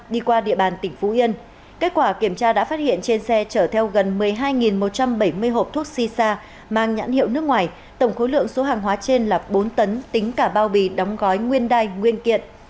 đi qua địa bàn tỉnh phú yên kết quả kiểm tra đã phát hiện trên xe chở theo gần một mươi hai một trăm bảy mươi hộp thuốc si sa mang nhãn hiệu nước ngoài tổng khối lượng số hàng hóa trên là bốn tấn tính cả bao bì đóng gói nguyên đai nguyên kiện